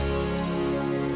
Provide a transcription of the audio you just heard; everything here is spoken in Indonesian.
pasti jadi kesusahan